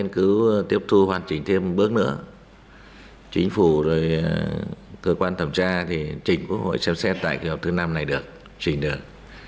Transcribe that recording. chính phủ rồi cơ quan thẩm tra thì chỉnh quốc hội xem xét tại kỳ họp thứ năm này được chỉnh được